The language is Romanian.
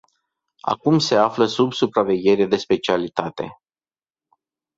Acum se află sub supraveghere de specialitate.